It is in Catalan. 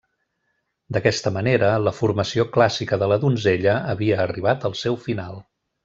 D'aquesta manera, la formació clàssica de la Donzella havia arribat al seu final.